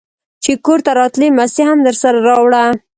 چې کورته راتلې مستې هم درسره راوړه!